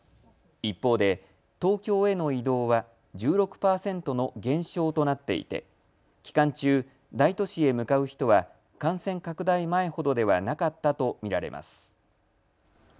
一方で東京への移動は１６％の減少となっていて期間中、大都市へ向かう人は感染拡大前ほどではなかったと見られます。